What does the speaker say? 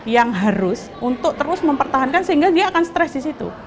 yang harus untuk terus mempertahankan sehingga dia akan stres di situ